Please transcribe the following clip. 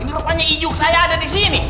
ini rupanya ijuk saya ada di sini